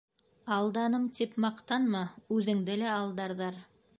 Алданым, тип маҡтанма, үҙеңде лә алдарҙар.